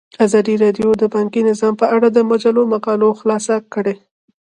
ازادي راډیو د بانکي نظام په اړه د مجلو مقالو خلاصه کړې.